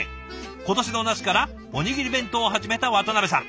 今年の夏からおにぎり弁当を始めたワタナベさん。